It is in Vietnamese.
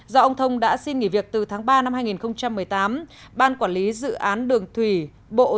do ông thông đã xin nghỉ việc từ tháng ba năm hai nghìn một mươi tám ban quản lý dự án đường thủy bộ